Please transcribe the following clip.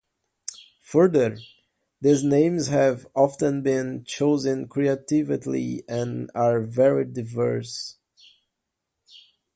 Further, these names have often been chosen creatively and are very diverse.